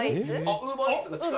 ウーバーイーツが近い？